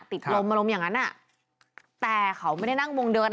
ติดลมอารมณ์อย่างนั้นอ่ะแต่เขาไม่ได้นั่งวงเดินอ่ะ